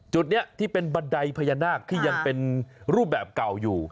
จุดนี้ที่เป็นบันไดพญานาคที่ยังเป็นรูปแบบเก่าอยู่